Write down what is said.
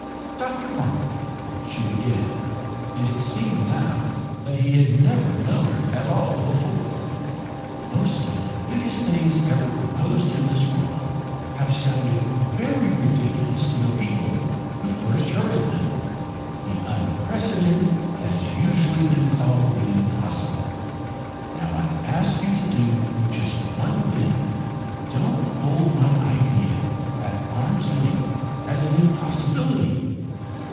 "Dr. Parkman," she began and it seemed now that he had never known her at all before "most of the biggest things ever proposed in this world have sounded very ridiculous to the people who first heard of them. The unprecedented has usually been called the impossible. Now I ask you to do just one thing. Don't hold my idea at arm's length as an impossibility.